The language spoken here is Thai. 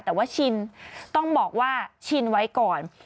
แต่ว่าชินต้องบอกว่าชินไว้ก่อน